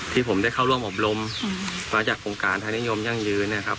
ที่ผมได้เข้าร่วมอบรมมาจากโครงการธนายนยมยั่งยืน